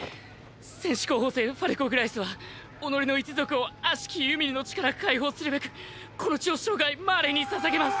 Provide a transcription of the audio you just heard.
戦士候補生ファルコ・グライスは己の一族を悪しきユミルの血から解放するべくこの血を生涯マーレに捧げます。